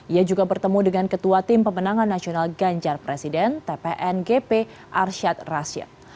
ia juga bertemu dengan ketua tim pemenangan nasional ganjar presiden tpngp arsyad rashid